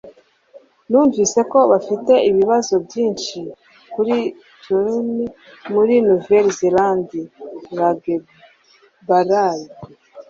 numvise ko bafite ibibazo byinshi kuri tunel muri nouvelle-zélande. (raghebaraby